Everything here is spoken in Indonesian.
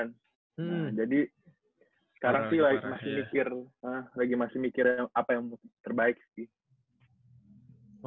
nah jadi sekarang sih masih mikir lagi masih mikir yang apa yang terbaik sih